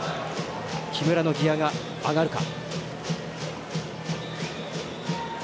木村のギアが上がるか。